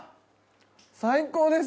最高です！